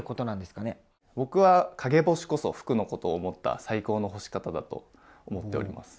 僕は陰干しこそ服のことを思った最高の干し方だと思っております。